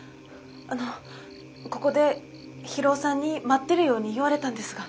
あのここで博夫さんに待ってるように言われたんですが。